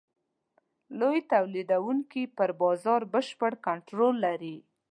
لوی تولیدوونکي پر بازار بشپړ کنټرول لري.